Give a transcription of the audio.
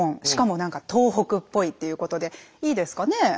しかも何か東北っぽいっていうことでいいですかね？